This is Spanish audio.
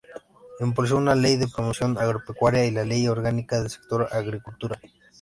Impulsó una Ley de Promoción Agropecuaria y la Ley Orgánica del Sector Agricultura.